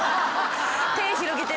・手広げてね。